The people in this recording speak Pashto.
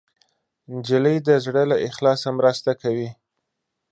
نجلۍ د زړه له اخلاصه مرسته کوي.